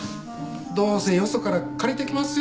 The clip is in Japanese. どうせよそから借りてきますよ